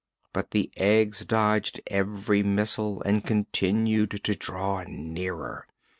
But the eggs dodged every missile and continued to draw nearer.